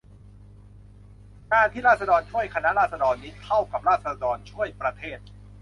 การที่ราษฎรช่วยคณะราษฎรนี้ เท่ากับราษฎรช่วยประเทศ